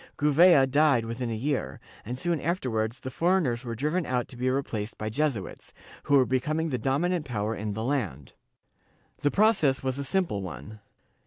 Gouvea died within a year, and soon afterwards the foreigners were driven out to be replaced by Jesuits, who were becoming the dominant power in the land. The process was a simple one.